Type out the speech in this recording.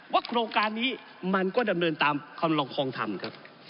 โครงการนี้มันก็ดำเนินตามคำลองคลองธรรมครับ